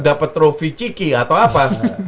dapat trofi ciki atau apa